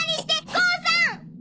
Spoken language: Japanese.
郷さん！